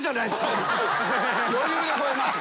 余裕で超えます。